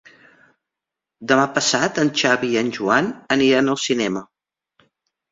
Demà passat en Xavi i en Joan aniran al cinema.